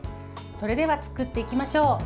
それでは作っていきましょう。